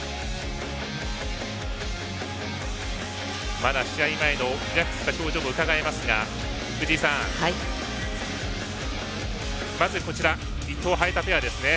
まだ試合前のリラックスした表情もうかがえますが、藤井さんまず伊藤、早田ペアですね。